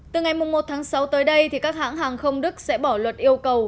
từ ngày một tháng sáu tới đây các hãng hàng không đức sẽ bỏ luật yêu cầu